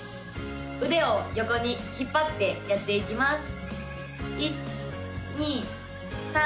腕を横に引っ張ってやっていきます